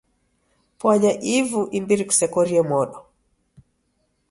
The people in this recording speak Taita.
Pwanya ivu imbiri kusekorie modo.